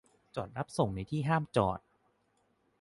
- จอดรับส่งในที่ห้ามจอด